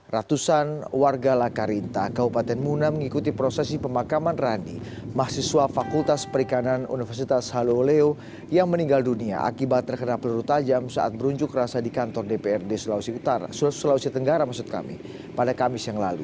ratusan warga lakarinta kabupaten muna mengikuti prosesi pemakaman rani mahasiswa fakultas perikanan universitas haluleo yang meninggal dunia akibat terkena peluru tajam saat berunjuk rasa di kantor dprd sulawesi tenggara pada kamis yang lalu